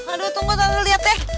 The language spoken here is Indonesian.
aduh tunggu tante liat ya